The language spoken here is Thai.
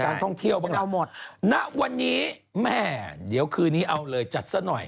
ท่องเที่ยวบ้างล่ะเอาหมดณวันนี้แม่เดี๋ยวคืนนี้เอาเลยจัดซะหน่อย